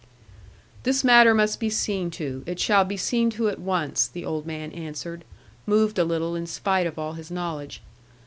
'This matter must be seen to; it shall be seen to at once,' the old man answered, moved a little in spite of all his knowledge.